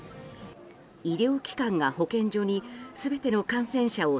医療機関が保健所に全ての感染者を